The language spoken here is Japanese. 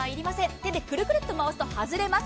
手でくるくるっと回すと外れます。